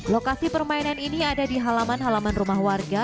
lokasi permainan ini ada di halaman halaman rumah warga